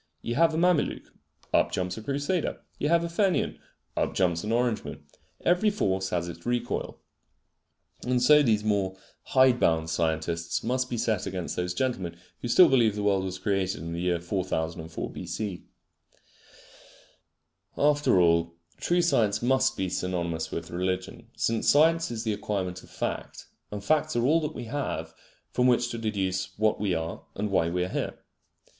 You have a Mameluke: up jumps a Crusader. You have a Fenian: up jumps an Orangeman. Every force has its recoil. And so these more hide bound scientists must be set against those gentlemen who still believe that the world was created in the year 4004 B. C. After all, true science must be synonymous with religion, since science is the acquirement of fact; and facts are all that we have from which to deduce what we are and why we are here.